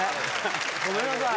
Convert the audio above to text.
ごめんなさい。